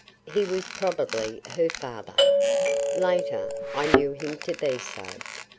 He was probably her father. Later, I knew him to be so.